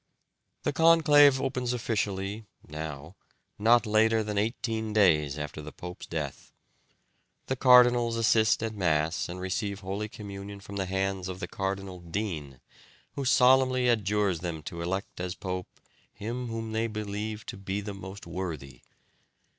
The conclave opens officially (now) not later than eighteen days after the pope's death. The cardinals assist at Mass and receive holy communion from the hands of the Cardinal Dean, who solemnly adjures them to elect as pope him whom they believe to be the most worthy.